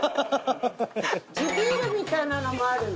地ビールみたいなのもあるの？